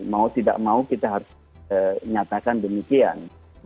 mau tidak mau kita harus nyatakan demikian